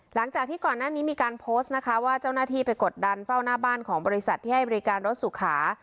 หลังจากที่ก่อนหน้านี้มีการโพสต์นะคะว่าเจ้าหน้าที่ไปกดดันเฝ้าหน้าบ้านของบริษัทที่ให้บริการรถสุขา